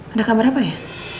ada kabar apa ya